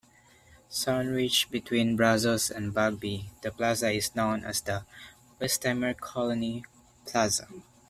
Sandwiched between Brazos and Bagby, the plaza is known as the Westheimer Colony Plaza.